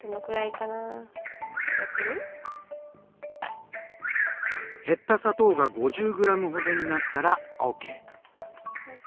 やってみ？減った砂糖が５０ｇほどになったらＯＫ。